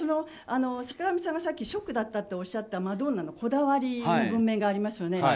坂上さんがさっきショックだったとおっしゃったマドンナのこだわりの文面がありますよね。